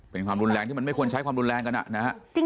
เป็นความรุนแรงที่มันไม่ควรใช้ความรุนแรงกันนะฮะ